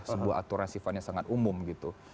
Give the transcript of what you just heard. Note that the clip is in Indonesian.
sebuah aturan sifatnya sangat umum gitu